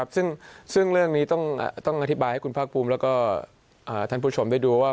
ซึ่งเรื่องนี้ต้องอธิบายให้คุณภาคภูมิแล้วก็ท่านผู้ชมได้ดูว่า